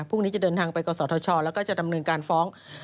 พรุ่งนี้จะเดินทางไปกศธชแล้วก็จะดำเนินการฟ้อง